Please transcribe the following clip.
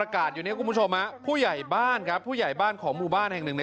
การพิวทรัพย์ได้เอาไปเชื่อไว้ไก่